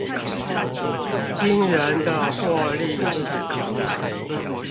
驚人的獲利